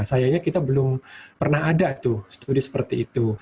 sayangnya kita belum pernah ada tuh studi seperti itu